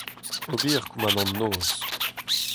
Ober koumanant noz.